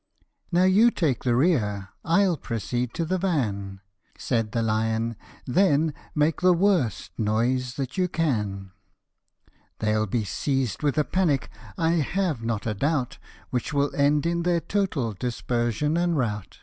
" Now you take the rear, I'll proceed to the van," Said the lion ;" then make the worst noise that you can; They'll be seized with a panic, I have not a doubt, Which will end in their total dispersion and rout."